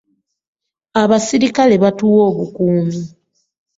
Abasirikale batuwa obukuumi.